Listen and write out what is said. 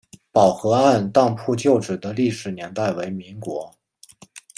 宝和按当铺旧址的历史年代为民国。